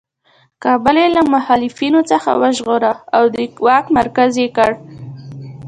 کابل یې له مخالفینو څخه وژغوره او د واک مرکز یې کړ.